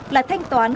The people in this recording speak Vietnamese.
là thanh toán